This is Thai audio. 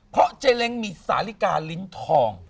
เพราะเจ๊เล้งมีสาลิกาลิ้นทอง